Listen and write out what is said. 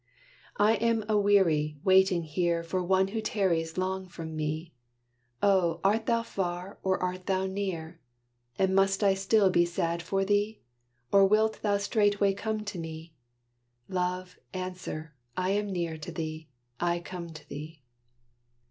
I am aweary, waiting here For one who tarries long from me. O! art thou far, or art thou near? And must I still be sad for thee? Or wilt thou straightway come to me? Love, answer, I am near to thee, I come to thee.